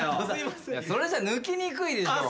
それじゃ抜きにくいでしょ。